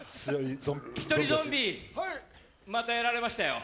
ひとりゾンビまたやられましたよ？